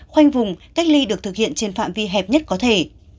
khoanh vùng cách ly được thực hiện trên phạm vi hẹp nhất có thể